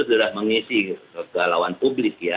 sudah mengisi segalawan publik